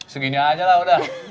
segini aja lah udah